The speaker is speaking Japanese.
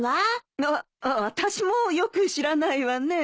あっあたしもよく知らないわね。